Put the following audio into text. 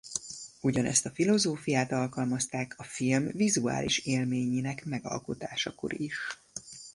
Ugyanezt a filozófiát alkalmazták a film vizuális élményének megalkotásakor is.